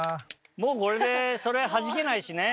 もうこれでそれはじけないしね。